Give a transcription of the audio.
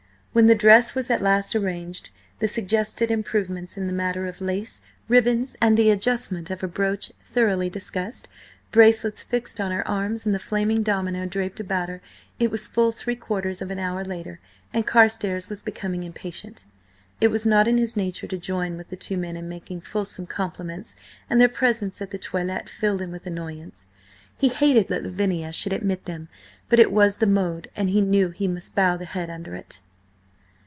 When the dress was at last arranged, the suggested improvements in the matter of lace, ribbons, and the adjustment of a brooch thoroughly discussed, bracelets fixed on her arms and the flaming domino draped about her, it was full three quarters of an hour later, and Carstares was becoming impatient. It was not in his nature to join with the two men in making fulsome compliments, and their presence at the toilette filled him with annoyance. He hated that Lavinia should admit them, but it was the mode, and he knew he must bow the head under it.